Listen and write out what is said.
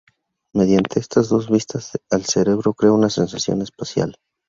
Mediante estas dos vistas el cerebro crea una sensación espacial.